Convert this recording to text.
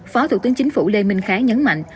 phó thủ tướng chính phủ lê minh khái nhấn mạnh